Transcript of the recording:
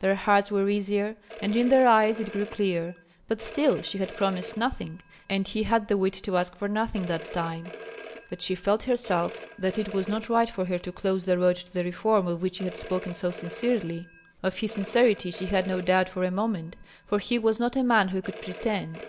Their hearts were easier, and in their eyes it grew clear. But still she had promised nothing, and he had the wit to ask for nothing that time. But she felt herself that it was not right for her to close the road to the reform of which he had spoken so sincerely. Of his sincerity she had no doubt for a moment, for he was not a man who could pretend.